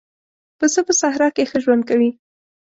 پسه په صحرا کې ښه ژوند کوي.